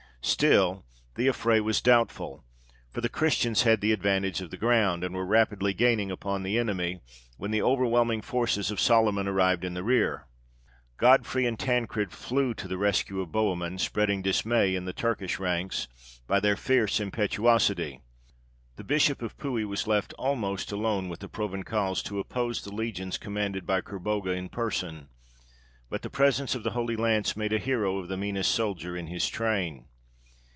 Still the affray was doubtful; for the Christians had the advantage of the ground, and were rapidly gaining upon the enemy, when the overwhelming forces of Soliman arrived in the rear. Godfrey and Tancred flew to the rescue of Bohemund, spreading dismay in the Turkish ranks by their fierce impetuosity. The Bishop of Puy was left almost alone with the Provençals to oppose the legions commanded by Kerbogha in person; but the presence of the Holy Lance made a hero of the meanest soldier in his train.